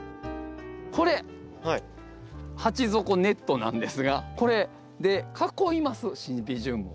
これ鉢底ネットなんですがこれで囲いますシンビジウムを。